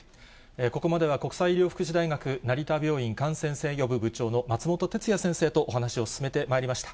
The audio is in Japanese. ここまでは国際医療福祉大学成田病院感染制御部部長の松本哲哉先生とお話を進めてまいりました。